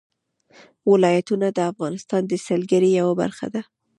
ولایتونه د افغانستان د سیلګرۍ یوه برخه ده.